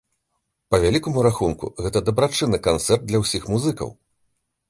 Па вялікаму рахунку, гэта дабрачынны канцэрт для ўсіх музыкаў.